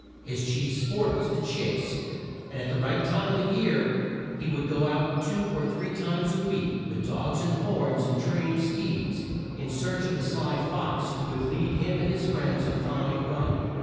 His chief sport was the chase, and, at the right time of the year, he would go out two or three times a week, with dogs and horns and trained steeds, in search of the sly fox who would lead him and his friends a fine run.